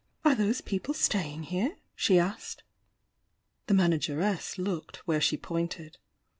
"Are those people staying here?" she csked. The manageress looked where she pointed.